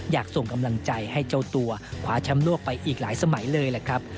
อยากส่งกำลังใจให้เจ้าตัวคว้าแชมป์โลกไปอีกหลายสมัยเลยแหละครับ